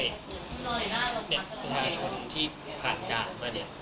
เด็ดพลาดชนที่ผ่านด่านมา